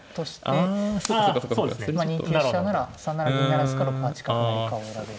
２九飛車なら３七銀不成か６八角成かを選べるか。